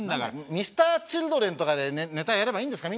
Ｍｒ．Ｃｈｉｌｄｒｅｎとかでネタやればいいんですか？